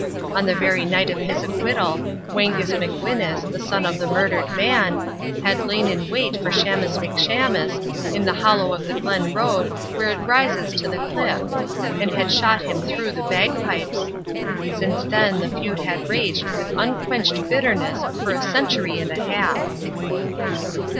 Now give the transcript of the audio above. On the very night of his acquittal, Whangus McWhinus, the son of the murdered man, had lain in wait for Shamus McShamus, in the hollow of the Glen road where it rises to the cliff, and had shot him through the bagpipes. Since then the feud had raged with unquenched bitterness for a century and a half.